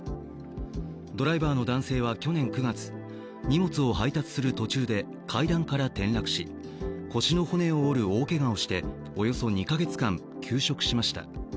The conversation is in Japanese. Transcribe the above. ドライバーの男性は去年９月、荷物を配達する途中で階段から転落し腰の骨を折るおおけがをして、およそ２か月間休職しました。